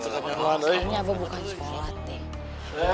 kayaknya abah bukan sholat neng